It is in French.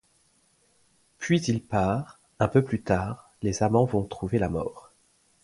Puis il part, un peu plus tard les amants vont trouver la mort.